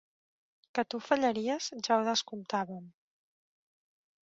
Que tu fallaries, ja ho descomptàvem.